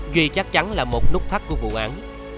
duy chắc chắn là một nút thắt của vụ án